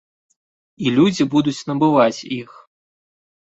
І людзі будуць набываць іх.